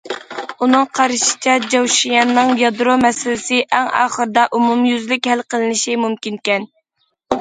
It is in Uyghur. ئۇنىڭ قارىشىچە، چاۋشيەننىڭ يادرو مەسىلىسى ئەڭ ئاخىرىدا ئومۇميۈزلۈك ھەل قىلىنىشى مۇمكىنكەن.